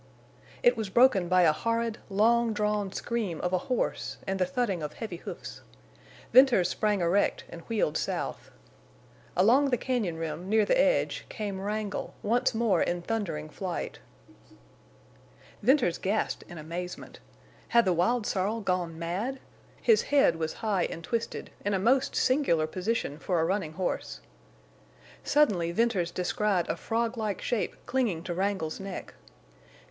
It was broken by a horrid, long drawn scream of a horse and the thudding of heavy hoofs. Venters sprang erect and wheeled south. Along the cañon rim, near the edge, came Wrangle, once more in thundering flight. Venters gasped in amazement. Had the wild sorrel gone mad? His head was high and twisted, in a most singular position for a running horse. Suddenly Venters descried a frog like shape clinging to Wrangle's neck.